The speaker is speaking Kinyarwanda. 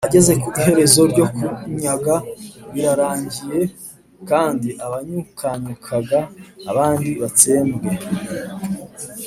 ageze ku iherezo rye kunyaga birarangiye kandi abanyukanyukaga abandi batsembwe